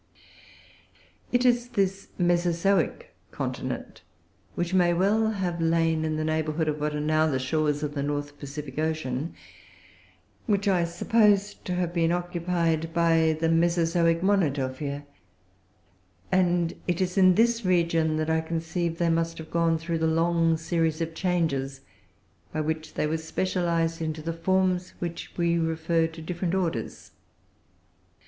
It is this Mesozoic continent (which may well have lain in the neighbourhood of what are now the shores of the North Pacific Ocean) which I suppose to have been occupied by the Mesozoic Monodelphia; and it is in this region that I conceive they must have gone through the long series of changes by which they were specialised into the forms which we refer to different orders.